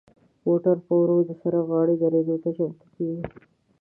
موټر په ورو د سړک غاړې دریدو ته چمتو کیږي.